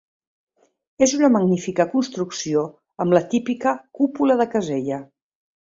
És una magnífica construcció amb la típica cúpula de casella.